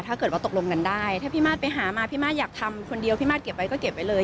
ตกลงกันได้ถ้าพี่มาสไปหามาพี่มาสอยากทำคนเดียวพี่มาสเก็บไว้ก็เก็บไว้เลย